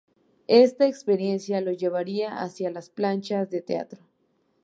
Esta experiencia lo llevará hacia las planchas de teatro.